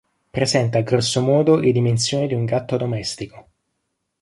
Presenta grosso modo le dimensioni di un gatto domestico.